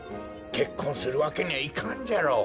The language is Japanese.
けっこんするわけにはいかんじゃろ。